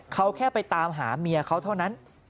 เขาแค่ไปตามหาเมียเขาเท่านั้น